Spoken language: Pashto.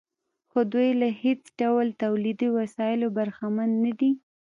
خو دوی له هېڅ ډول تولیدي وسایلو برخمن نه دي